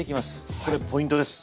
これポイントです。